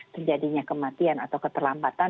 terjadinya kematian atau keterlambatan